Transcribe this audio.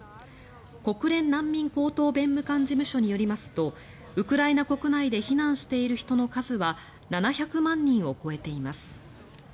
国連難民高等弁務官事務所によりますとウクライナ国内で避難している人の数は７００万人を超えています。